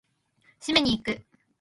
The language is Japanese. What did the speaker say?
締めに行く！